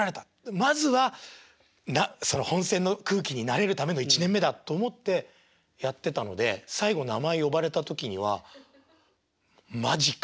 まずはその本選の空気に慣れるための１年目だと思ってやってたので最後名前呼ばれた時には「マジか」